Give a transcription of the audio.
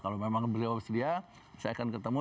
kalau memang beliau sedia saya akan ketemu